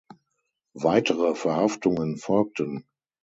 Weitere Verhaftungen folgten.